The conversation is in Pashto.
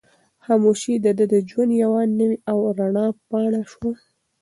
خاموشي د ده د ژوند یوه نوې او رڼه پاڼه شوه.